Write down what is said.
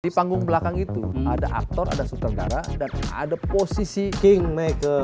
di panggung belakang itu ada aktor ada sutradara dan ada posisi kingmaker